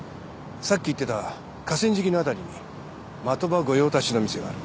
さっき言ってた河川敷の辺りに的場御用達の店がある。